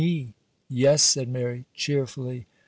_' 'Yes,' said Mary, cheerfully.